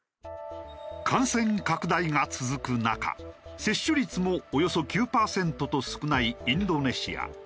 感染拡大が続く中接種率もおよそ９パーセントと少ないインドネシア。